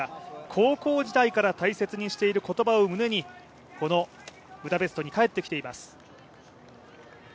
高校時代から大切にしている言葉を胸にこのブダペストに帰ってきています。